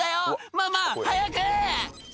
ママ早く！